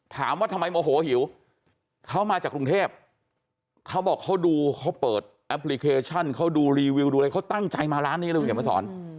ถามว่าทำไมโมโหหิวเขามาจากกรุงเทพเขาบอกเขาดูเขาเปิดแอปพลิเคชันเขาดูรีวิวดูอะไรเขาตั้งใจมาร้านนี้เลยคุณเห็นมาสอน